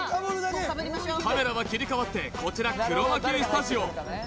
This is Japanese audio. カメラは切り替わってこちらクロマキースタジオ